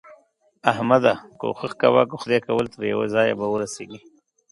احمده! کوښښ کوه؛ که خدای کول تر يوه ځايه به ورسېږې.